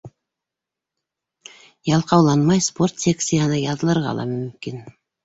Ялҡауланмай, спорт секцияһына яҙылырға ла мөмкин.